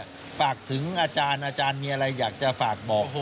ฝากถึงอาจารย์อาจารย์มีอะไรอยากจะฝากบอก